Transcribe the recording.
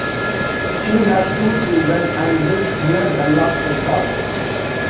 She has two children and lives near Dallas, Texas.